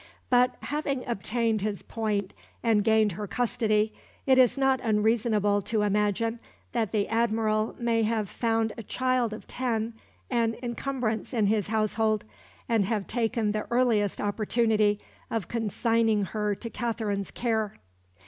But, having obtained his point and gained her custody, it is not unreasonable to imagine that the Admiral may have found a child of ten an encumbrance in his household, and have taken the earliest opportunity of consigning her to Katherine's care.